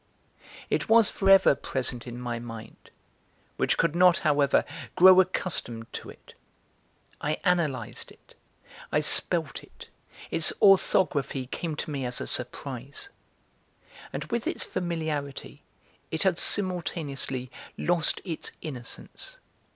It was for ever present in my mind, which could not, however, grow accustomed to it. I analysed it, I spelt it; its orthography came to me as a surprise. And with its familiarity it had simultaneously lost its innocence.